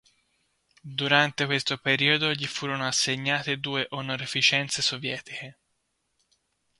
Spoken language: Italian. Durante questo periodo gli furono assegnate due onorificenze sovietiche.